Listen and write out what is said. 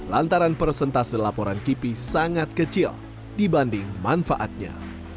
lantaran persentase laporan kipi sangat kecil dibanding manfaatnya